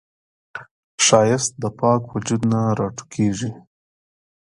ښایست د پاک وجود نه راټوکېږي